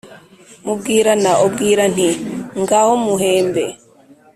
Mubwirana ubwira Nti: ngaho muhembe